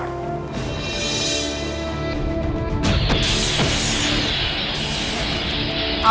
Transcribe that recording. apa yang kalian lakukan